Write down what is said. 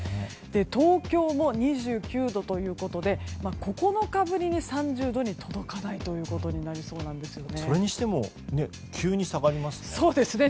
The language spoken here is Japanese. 東京も２９度ということで９日ぶりに３０度に届かないということになりそうなんですね。